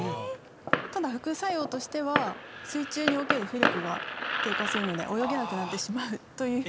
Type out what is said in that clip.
ただ副作用としては水中における浮力が低下するので泳げなくなってしまうという。